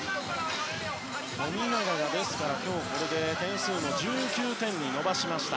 富永が今日、これで点数を１９点に伸ばしました。